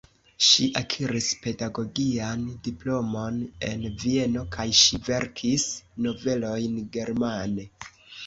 Ŝi akiris pedagogian diplomon en Vieno kaj ŝi verkis novelojn germane.